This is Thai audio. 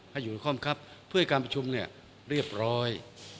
ให้อยู่ในข้อบังคับเพื่อให้การประชุมเนี่ยเรียบร้อย